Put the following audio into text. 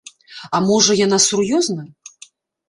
А можа, яна сур'ёзна?